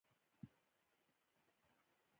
د یوې منځوۍ ګوتې کمپوزر و.